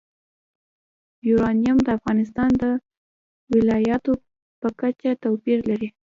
یورانیم د افغانستان د ولایاتو په کچه توپیر لري.